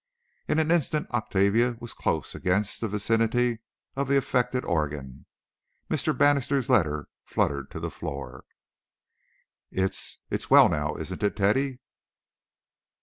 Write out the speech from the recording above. In an instant Octavia was close against the vicinity of the affected organ. Mr. Bannister's letter fluttered to the floor. "It's—it's well now, isn't it, Teddy?"